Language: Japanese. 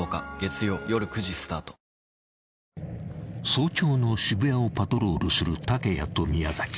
［早朝の渋谷をパトロールする竹谷と宮］